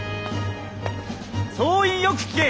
総員よく聞け！